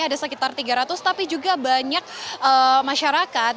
ada sekitar tiga ratus tapi juga banyak masyarakat